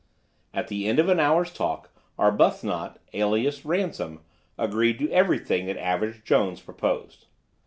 At the end of an hour's talk Arbuthnot, alias Ransom, agreed to everything that Average Jones proposed.